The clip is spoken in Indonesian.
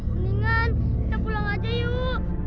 kuningan kita pulang aja yuk